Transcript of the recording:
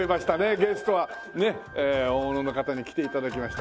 ゲストはね大物の方に来て頂きました。